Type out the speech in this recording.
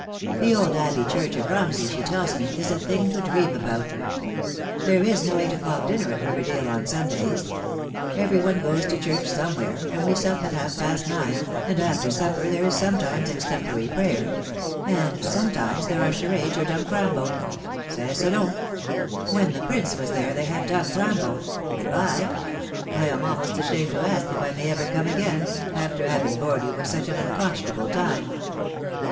The old Abbey Church of Romsey, she tells me, is a thing to dream about. There is no eight o'clock dinner at Riverdale on Sundays. Every one goes to church somewhere, and we sup at half past nine, and after supper there is sometimes extempore prayer and sometimes there are charades or dumb crambo. (Test selon. When the Prince was there they had dumb crambo. Good bye. I am almost ashamed to ask if I may ever come again, after having bored you for such an unconscionable time."